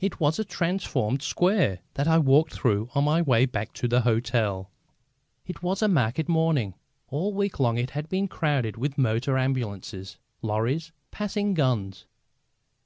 It was a transformed square that I walked through on my way back to the hotel. It was a market morning. All week long it had been crowded with motor ambulances, lorries, passing guns.